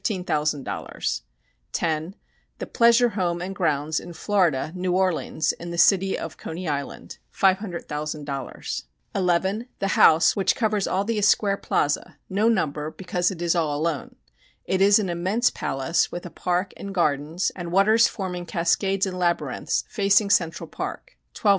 00 10 The pleasure home and grounds in Florida (New Orleans) in the city of Coney Island 500,000.00 11 The house which covers all the Esquare Plaza (no number because it is all alone). It is an immense palace, with a park and gardens, and waters forming cascades and labyrinths, facing Central Park 12,000,000.